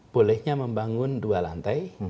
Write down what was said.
bolehnya membangun dua lantai